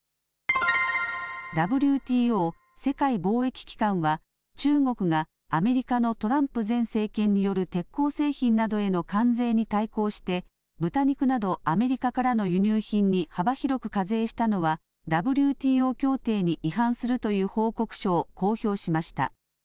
ＷＴＯ・世界貿易機関は中国がアメリカのトランプ前政権による鉄鋼製品などへの関税に対抗して豚肉などアメリカからの輸入品に幅広く課税したのはＷＴＯ協定に違反するという報告書を公表しました。